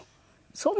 そう。